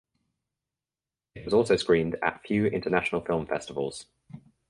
It was also screened at few international film festivals.